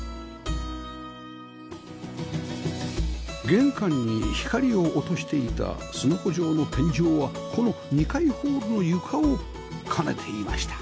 玄関に光を落としていたスノコ状の天井はこの２階ホールの床を兼ねていました